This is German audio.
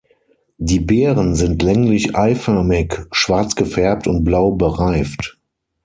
Die Beeren sind länglich-eiförmig, schwarz gefärbt und blau bereift.